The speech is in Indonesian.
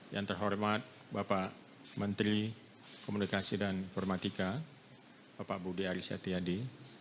yang terhormat bapak menteri komunikasi dan informatika bapak budi arisetyadi